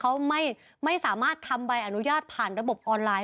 เขาไม่สามารถทำใบอนุญาตผ่านระบบออนไลน